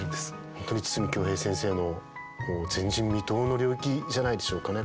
本当に筒美京平先生の前人未到の領域じゃないでしょうかね。